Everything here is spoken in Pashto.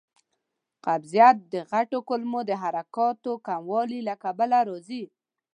قبضیت د غټو کولمو د حرکاتو کموالي له کبله راځي.